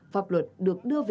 pháp luật được đổi mới